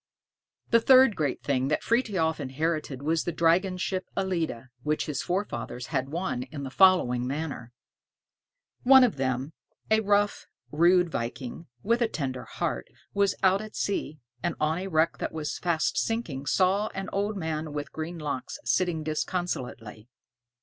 The third great thing that Frithiof inherited was the dragon ship "Ellide," which his forefathers had won in the following manner: One of them, a rough, rude viking, with a tender heart, was out at sea, and on a wreck that was fast sinking saw an old man with green locks sitting disconsolately.